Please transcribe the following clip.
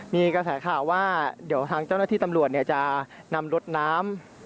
มีกระแสข่าวว่าเดี๋ยวทางเจ้าหน้าที่ตำรวจจะนำรถน้ำ